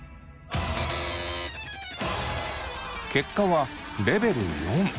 結果はレベル４。